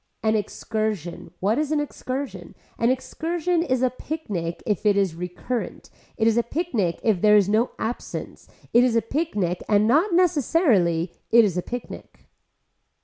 An excursion, what is an excursion, an excursion is a picnic if it is recurrent, it is a picnic if there is no absence, it is a picnic and not necessarily, it is a picnic.